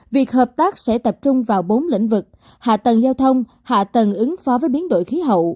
việc hợp tác sẽ tập trung vào bốn lĩnh vực hạ tầng giao thông hạ tầng ứng phó với biến đổi khí hậu